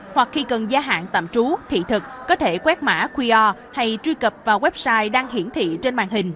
hoặc khi cần gia hạn tạm trú thị thực có thể quét mã qr hay truy cập vào website đang hiển thị trên màn hình